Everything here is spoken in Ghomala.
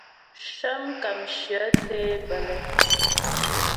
Shə́ mkàmshyə tě bə́lɛ.